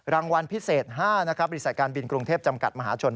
รางวัลพิเศษ๕นะครับบริษัทการบินกรุงเทพจำกัดมหาชน